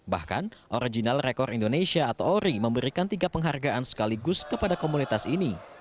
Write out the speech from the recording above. bahkan original rekor indonesia atau ori memberikan tiga penghargaan sekaligus kepada komunitas ini